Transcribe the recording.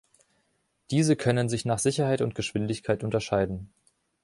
Diese können sich nach Sicherheit und Geschwindigkeit unterscheiden.